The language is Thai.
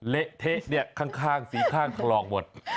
เละเทสเนี่ยข้างสีข้างถลอกหมด